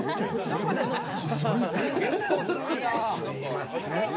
すいません。